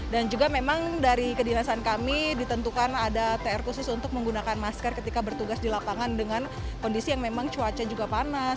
dan juga memang dari kedinasan kami ditentukan ada tr khusus untuk menggunakan masker ketika bertugas di lapangan dengan kondisi yang memang cuaca juga panas